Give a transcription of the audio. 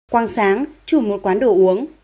quang sáng chủ một quán đồ uống